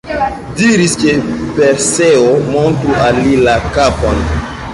Diris, ke Perseo montru al li la kapon.